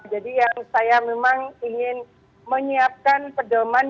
jadi yang saya memang ingin menyiapkan pedoman